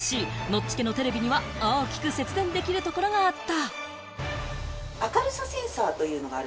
しかし、ノッチ家のテレビには大きく節電できるところがあった。